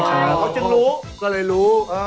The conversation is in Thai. ตลอดจะรู้